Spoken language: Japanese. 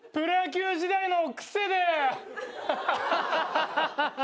ハハハハ。